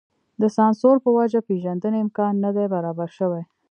د سانسور په وجه پېژندنې امکان نه دی برابر شوی.